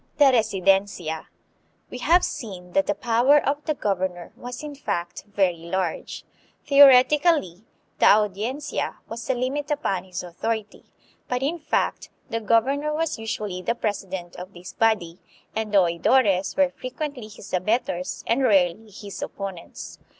The " Residencia." We have seen that the power of the governor was in fact very large. Theoretically, the Audiencia was a limit upon his authority; but hi fact the governor was usually the president of this body, and the oidores were frequently his abettors and rarely his oppo nents.